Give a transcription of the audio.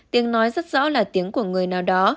tiếng nói rất rõ là tiếng của người nào đó